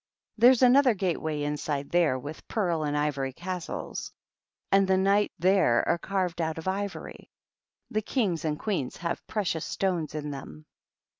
There's another gate way inside there, with pearl and ivory castles; and the Knights there are carved out of ivory. The Kings and Queens have precious stones in them."